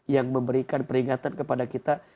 yang memberikan peringatan kepada kita